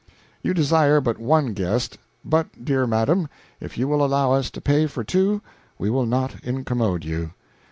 You desire but one guest; but dear Madam, if you will allow us to pay for two, we will not incommode you.